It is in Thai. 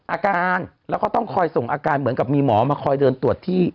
อาการแล้วก็ต้องคอยส่งอาการเหมือนกับมีหมอมาคอยเดินตรวจที่